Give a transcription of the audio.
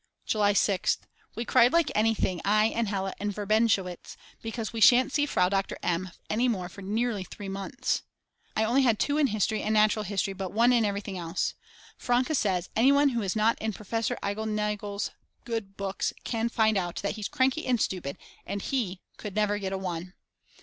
July 6th. We cried like anything I and Hella and Verbenowitsch because we shan't see Frau Doktor M. any more for nearly 3 months. I only had 2 in History and Natural History, but 1 in everything else. Franke says: Anyone who is not in Professor Igel Nigl's good books can find out that he's cranky and stupid and he could never get a one.